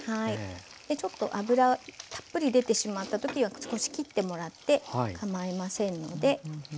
ちょっと油たっぷり出てしまった時は少しきってもらって構いませんので。